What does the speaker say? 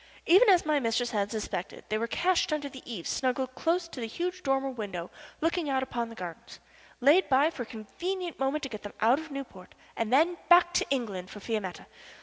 Even as my mistress had suspected, they were cached under the eaves, snuggled close against the huge dormer window looking out upon the gardens; laid by for a convenient moment to get them out of Newport, and then back to England for Fiametta.